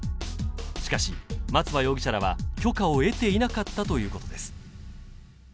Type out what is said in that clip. しかし松葉容疑者らは許可を得ていなかったということです